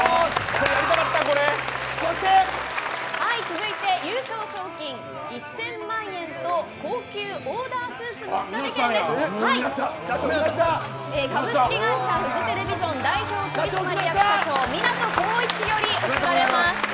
続いて優勝賞金１０００万円と高級オーダースーツの仕立て券株式会社フジテレビジョン代表取締役社長